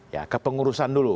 ya kepengurusan dulu